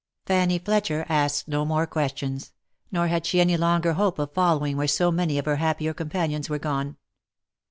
Fanny Fletcher asked no more questions, nor had she any longer hope of following where so many of her happier companions were gone.